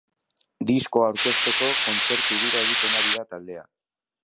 Diskoa aurkezteko kontzertu-bira egiten ari da taldea.